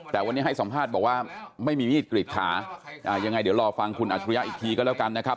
แต่วันนี้ให้สัมภาษณ์บอกว่าไม่มีมีดกรีดขายังไงเดี๋ยวรอฟังคุณอัจฉริยะอีกทีก็แล้วกันนะครับ